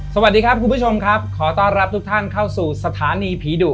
สวัสดีครับคุณผู้ชมครับขอต้อนรับทุกท่านเข้าสู่สถานีผีดุ